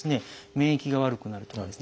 免疫が悪くなるとかですね